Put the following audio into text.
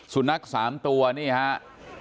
สุนัข๓ตัวนี่ครับ